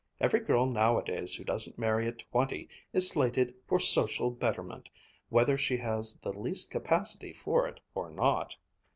Every girl nowadays who doesn't marry at twenty, is slated for 'social betterment' whether she has the least capacity for it or not.